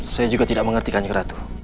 saya juga tidak mengerti kan ratu